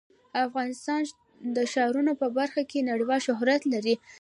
افغانستان د ښارونه په برخه کې نړیوال شهرت لري.